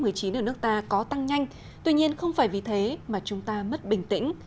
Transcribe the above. ở nước ta có tăng nhanh tuy nhiên không phải vì thế mà chúng ta mất bình tĩnh